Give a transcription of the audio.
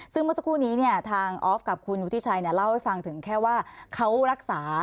ซึ่งเมื่อสักครู่นี้เนี่ยทางออฟกับคุณวุฒิชัยเล่าให้ฟังถึงแค่ว่าเขารักษา